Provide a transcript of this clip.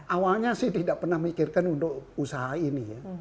awalnya saya tidak pernah memikirkan untuk usaha ini